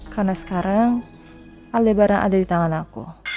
karena sekarang aldabaran ada di tangan aku